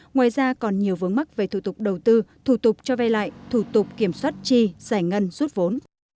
ngoài ra còn nhiều vướng mắc về thủ tục đầu tư thủ tục cho vay lại thủ tục kiểm soát chi giải ngân rút vốn